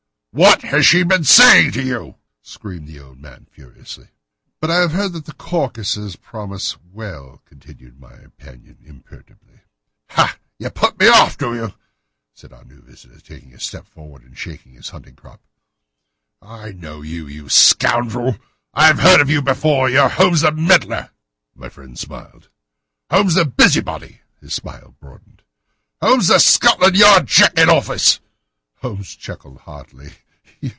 "What has she been saying to you?" screamed the old man furiously. "But I have heard that the crocuses promise well," continued my companion imperturbably. "Ha! You put me off, do you?" said our new visitor, taking a step forward and shaking his hunting crop. "I know you, you scoundrel! I have heard of you before. You are Holmes, the meddler." My friend smiled. "Holmes, the busybody!" His smile broadened. "Holmes, the Scotland Yard Jack in office!" Holmes chuckled heartily.